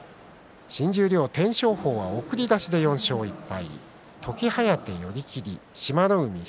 新十両天照鵬送り出しで４勝１敗。